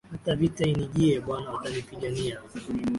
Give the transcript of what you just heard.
Hata vita inijie, bwana utanipigania.